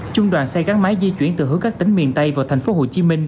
trung đoàn xe gắn máy di chuyển từ hướng các tỉnh miền tây vào tp hcm